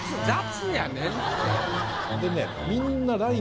でね